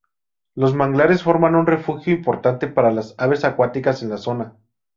Los manglares forman un refugio importante para las aves acuáticas en la zona.